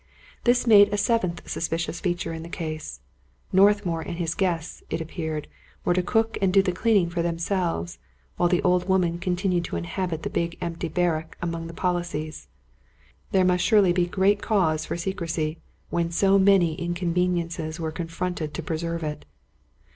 This made a seventh suspicious feature in the case. Northmour and his guests, it appeared, were to cook and do the cleaning for themselves, while the old woman continued to inhabit the big empty barrack among the policies. There must surely be great cause for secrecy, when so many inconveniences were confronted to preserve it.